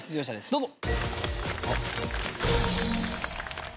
どうぞ。